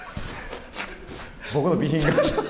僕の備品。